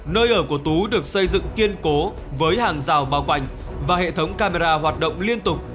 nơi ở của tú được xây dựng kiên cố với hàng rào bao quanh và hệ thống camera hoạt động liên tục